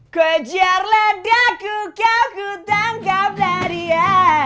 kujar ledaku kau kutangkap nadia